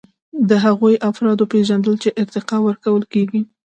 د هغو افرادو پیژندل چې ارتقا ورکول کیږي.